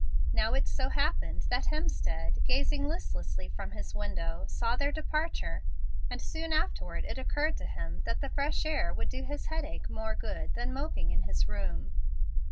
Now it so happened that Hemstead, gazing listlessly from his window, saw their departure, and soon afterward it occurred to him that the fresh air would do his headache more good than moping in his room.